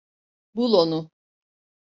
Bul onu.